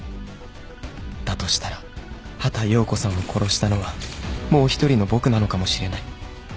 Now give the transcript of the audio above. だとしたら畑葉子さんを殺したのはもう一人の僕なのかもしれない